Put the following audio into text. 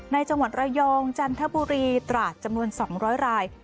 จังหวัดระยองจันทบุรีตราดจำนวน๒๐๐ราย